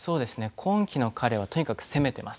今季の彼はとにかく攻めています。